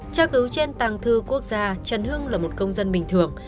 chắc ứng trên tàng thư quốc gia trần hưng là một công dân bình thường